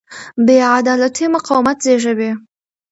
بې عدالتي مقاومت زېږوي